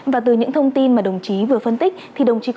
và từ những thông tin mà đồng chí vừa phân tích